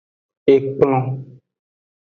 Ekplon.